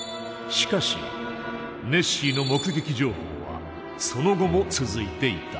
しかしネッシーの目撃情報はその後も続いていた。